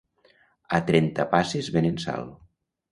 a Trentapasses venen sal